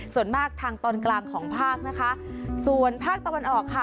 ส่วนมากทางตอนกลางของภาคนะคะส่วนภาคตะวันออกค่ะ